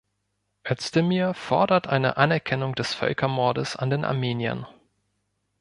Özdemir fordert eine Anerkennung des Völkermordes an den Armeniern.